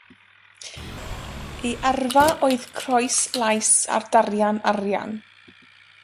Ei arfau oedd croes las ar darian arian.